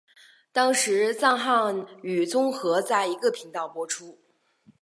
当时藏汉语综合在一个频道播出。